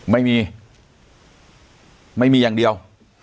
ไม่มีไม่มีอย่างเดียว